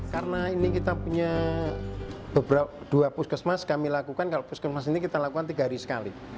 karena ini kita punya dua puskesmas kami lakukan kalau puskesmas ini kita lakukan tiga hari sekali